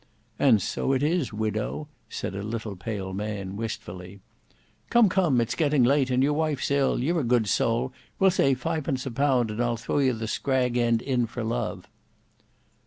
"And so it is widow," said a little pale man, wistfully. "Come, come, it's getting late, and your wife's ill; you're a good soul, we'll say fi'pence a pound, and I'll throw you the scrag end in for love."